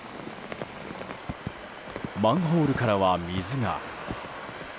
マンホールからは水が。